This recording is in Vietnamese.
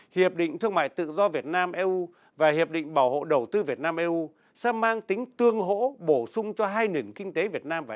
hiệp định thương mại tự do việt nam eu và hiệp định bảo hộ đầu tư việt nam eu sẽ mang tính tương hỗ bổ sung cho hai nền kinh tế việt nam và eu